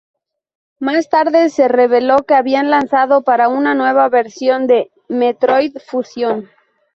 Más tarde se reveló que habían lanzado para una nueva versión de Metroid Fusion.